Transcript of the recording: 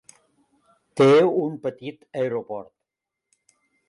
Té un petit aeroport.